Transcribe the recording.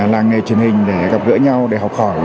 là ngày truyền hình